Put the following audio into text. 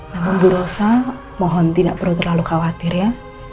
namun bu rosa mohon tidak perlu terlalu khawatir ya